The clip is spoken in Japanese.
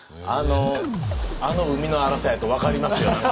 あの海の荒さやと分かりますよ。